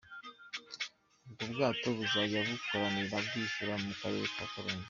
Ubwo bwato buzajya bukoranira Bwishyura mu Karere ka Karongi.